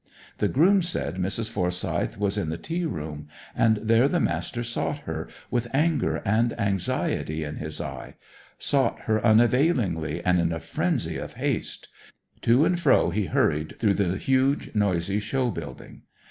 The groom said Mrs. Forsyth was in the tea room, and there the Master sought her, with anger and anxiety in his eye; sought her unavailingly and in a frenzy of haste. To and fro he hurried through the huge, noisy show building.